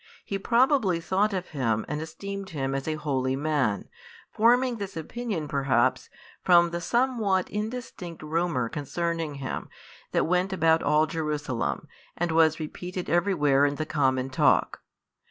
He probably thought of Him and esteemed Him as a holy Man, forming this opinion perhaps from the somewhat indistinct rumour concerning Him that went about all Jerusalem, and was repeated everywhere in the common talk.